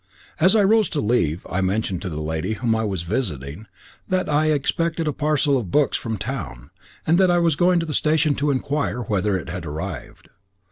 As I rose to leave, I mentioned to the lady whom I was visiting that I expected a parcel of books from town, and that I was going to the station to inquire whether it had arrived.